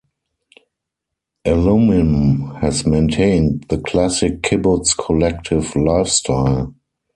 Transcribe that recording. Alumim has maintained the classic kibbutz collective life style.